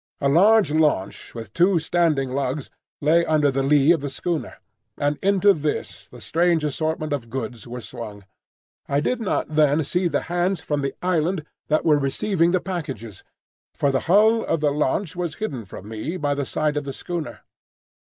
A large launch, with two standing lugs, lay under the lee of the schooner; and into this the strange assortment of goods were swung. I did not then see the hands from the island that were receiving the packages, for the hull of the launch was hidden from me by the side of the schooner.